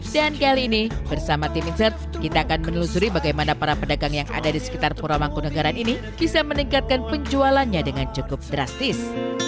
dan kali ini bersama tim insert kita akan menelusuri bagaimana para pedagang yang ada di sekitar purwomango negara ini bisa meningkatkan penjualannya dengan cukup drastis